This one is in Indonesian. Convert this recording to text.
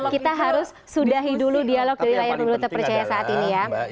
kita harus sudahi dulu dialog dari layar pemilu terpercaya saat ini ya